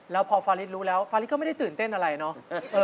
แล้วพอฟาริสรู้แล้วฟาริสก็ไม่ได้ตื่นเต้นอะไรเนาะ